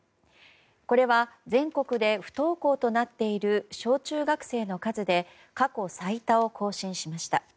これは全国で不登校となっている小中学生の数で過去最多を更新しました。